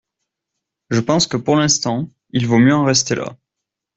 Je pense que pour l’instant, il vaut mieux en rester là.